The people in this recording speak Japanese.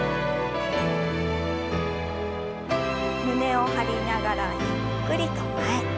胸を張りながらゆっくりと前。